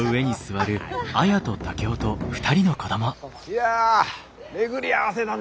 いや巡り合わせだねえ。